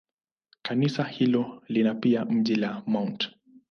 Kanisa hilo lina pia jimbo la Mt.